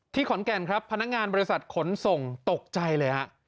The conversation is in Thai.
ขอนแก่นครับพนักงานบริษัทขนส่งตกใจเลยฮะ